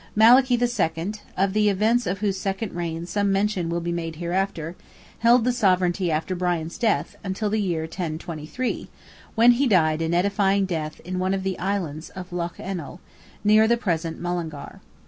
Malachy II.—of the events of whose second reign some mention will be made hereafter—held the sovereignty after Brian's death, until the year 1023, when he died an edifying death in one of the islands of Lough Ennel, near the present Mullingar.